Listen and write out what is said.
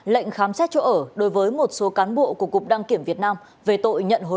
lệnh khám xét chỗ ở đối với một số cán bộ